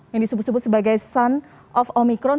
yang disebut sebagai son of omikron